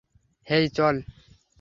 হেই, চল।